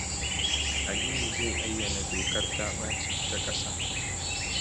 Aliyu zai ayyana dokar ta-baci ta kasa.